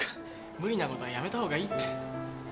無理なことはやめたほうがいいって。